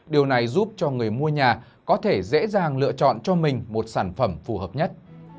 điều này giúp cho người mua nhà có thể dễ dàng lựa chọn cho mình một sản phẩm phù hợp nhất